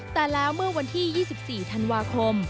แต่แล้วเมื่อวันที่๒๔ธันวาคม